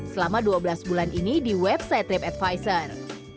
selama dua belas bulan ini di website tripadvisor